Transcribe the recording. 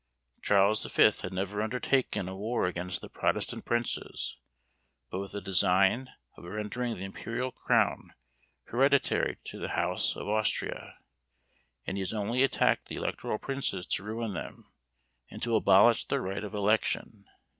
"Charles the Fifth had never undertaken a war against the Protestant princes but with the design of rendering the Imperial crown hereditary in the house of Austria; and he has only attacked the electoral princes to ruin them, and to abolish their right of election.